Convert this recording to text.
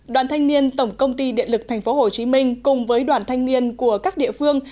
đoàn thanh niên tổng công ty điện lực tp hcm cùng với đoàn thanh niên của các địa phương